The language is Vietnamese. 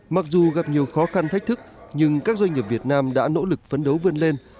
mặc dù gặp nhiều khó khăn thách thức nhưng các doanh nghiệp việt nam đã nỗ lực phấn đấu vươn lên